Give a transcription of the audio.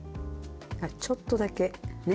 ちょっとだけね。